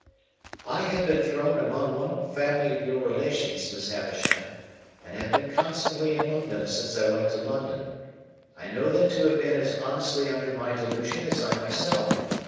"I have been thrown among one family of your relations, Miss Havisham, and have been constantly among them since I went to London. I know them to have been as honestly under my delusion as I myself.